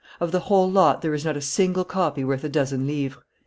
Of the whole lot there is not a single copy worth a dozen livres."